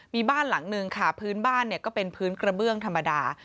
มีบ้านหลังนึงค่ะพื้นบ้านก็เป็นพื้นกระเบื้องธรรมดา